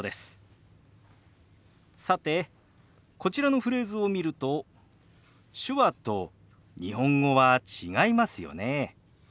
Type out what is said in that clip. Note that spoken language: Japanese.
さてこちらのフレーズを見ると手話と日本語は違いますよね。